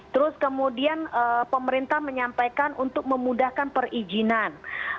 terus kemudian pemerintah menyampaikan untuk memudahkan perizinan